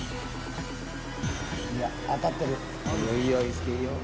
いや当たってる。